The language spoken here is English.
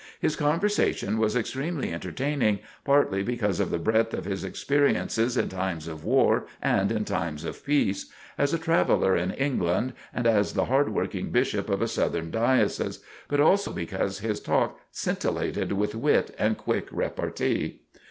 His conversation was extremely entertaining, partly because of the breadth of his experiences in times of war and in times of peace; as a traveller in England and as the hard working Bishop of a Southern Diocese, but also because his talk scintillated with wit and quick repartee.